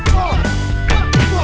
kau harus hafal penuh ya